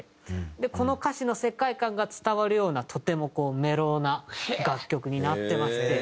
この歌詞の世界観が伝わるようなとてもメロウな楽曲になってまして。